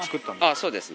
そうですね。